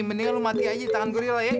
ji mendingan lu mati aja di tangan gorilla ya